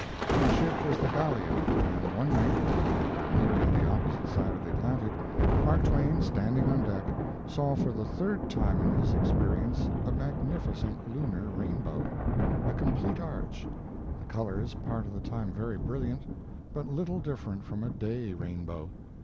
Their ship was the Gallia, and one night, when they were nearing the opposite side of the Atlantic, Mark Twain, standing on deck, saw for the third time in his experience a magnificent lunar rainbow: a complete arch, the colors part of the time very brilliant, but little different from a day rainbow.